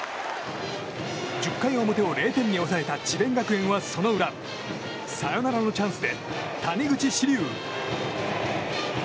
１０回表を０点に抑えた智弁学園はその裏サヨナラのチャンスで谷口志琉。